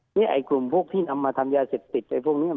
ให้ไอนี่เดียวกรุ่มพวกนำมาทำบุคคลิกไอของยาเสียติศ